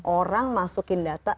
orang masukin data